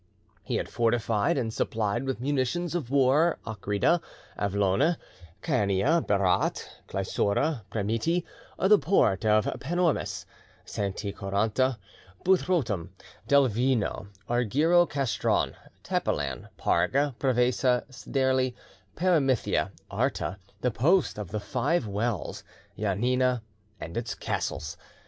He had fortified and supplied with munitions of war Ochrida, Avlone, Cannia, Berat, Cleisoura, Premiti, the port of Panormus, Santi Quaranta, Buthrotum, Delvino, Argyro Castron, Tepelen, Parga, Prevesa, Sderli, Paramythia, Arta, the post of the Five Wells, Janina and its castles.